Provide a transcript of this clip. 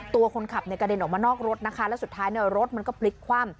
ตัวคนขับกระเด็นออกมานอกรถนะคะแล้วสุดท้ายเนี่ยรถมันก็พลิกคว่ำ